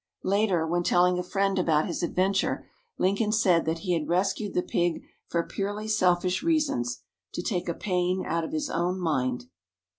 Later, when telling a friend about his adventure, Lincoln said that he had rescued the pig for purely selfish reasons, "to take a pain out of his own mind."